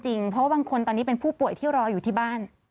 เพราะว่าบางคนตอนนี้เป็นผู้ป่วยที่รออยู่ที่บ้าน